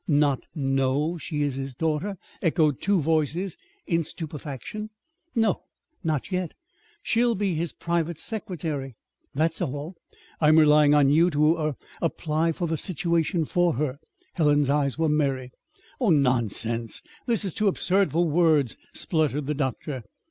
"Not know she is his daughter!" echoed two voices, in stupefaction. "No not yet. She'll be his private secretary. That is all. I'm relying on you to er apply for the situation for her." Helen's eyes were merry. "Oh, nonsense! This is too absurd for words," spluttered the doctor.